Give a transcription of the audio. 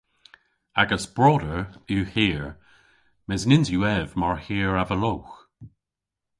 Agas broder yw hir mes nyns yw ev mar hir avelowgh.